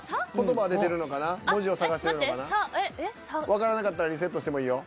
わからなかったらリセットしてもいいよ。